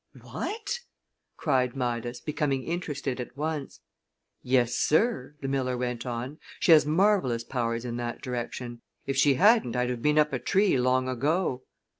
"What?" cried Midas, becoming interested at once. "Yes, sir," the miller went on. "She has marvellous powers in that direction. If she hadn't I'd have been up a tree long ago."